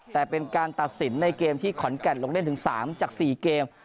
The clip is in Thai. แต่เป็นการตัดสินในเกมที่ขอนแก่นลงเล่นถึง๓จาก๔เกม